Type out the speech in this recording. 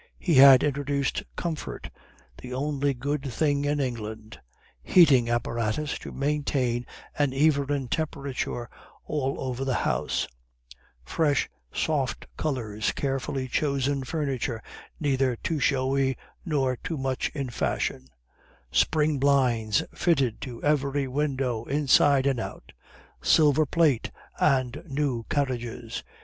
He had introduced 'comfort' (the only good thing in England) heating apparatus to maintain an even temperature all over the house; fresh, soft colors, carefully chosen furniture, neither too showy nor too much in fashion; spring blinds fitted to every window inside and out; silver plate and new carriages.